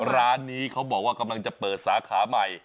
ร้านนี้เขาบอกว่ากำลังจะเปิดสาขาใหม่